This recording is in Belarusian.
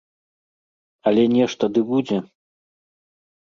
Але нешта ды будзе.